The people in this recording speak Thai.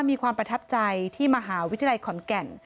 มีความประทับใจที่มหาวิทยาลัยขอนแก่น